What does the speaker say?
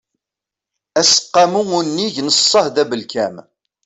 aseqqamu unnig n ṣṣehd abelkam